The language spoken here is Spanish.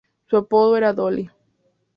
Su apodo era ″Dolly".